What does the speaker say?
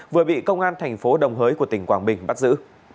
vừa bị công an tp đồng hới của tỉnh quảng bình bắt giữ